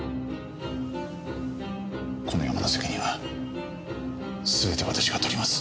このヤマの責任は全て私が取ります。